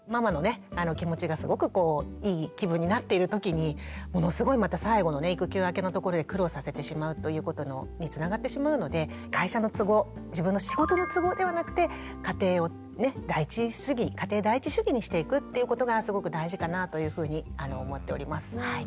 気持ちがすごくいい気分になっている時にものすごいまた最後のね育休明けのところで苦労させてしまうということにつながってしまうので会社の都合自分の仕事の都合ではなくて家庭第一主義にしていくっていうことがすごく大事かなというふうに思っております。